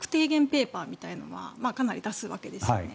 ペーパーみたいなのはかなり出すわけですよね。